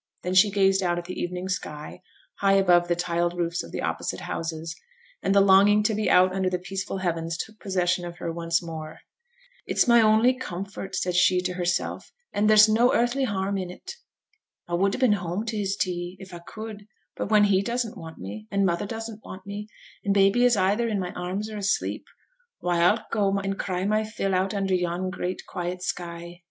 Then she gazed out at the evening sky, high above the tiled roofs of the opposite houses, and the longing to be out under the peaceful heavens took possession of her once more. 'It's my only comfort,' said she to herself; 'and there's no earthly harm in it. I would ha' been at home to his tea, if I could; but when he doesn't want me, and mother doesn't want me, and baby is either in my arms or asleep; why, I'll go any cry my fill out under yon great quiet sky.